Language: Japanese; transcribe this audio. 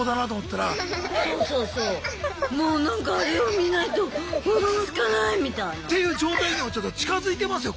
もうなんかあれを見ないと落ち着かないみたいな。っていう状態にも近づいてますよ